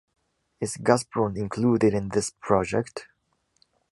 Is Gazprom included in this project?